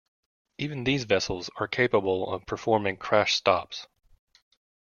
Even these vessels are capable of performing "crash stops".